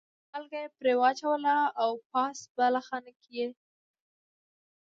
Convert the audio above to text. مالګه یې پرې واچوله او پاس بالاخانه کې یې.